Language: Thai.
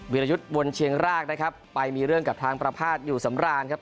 วิรยุทธ์วนเชียงรากนะครับไปมีเรื่องกับทางประพาทอยู่สำราญครับ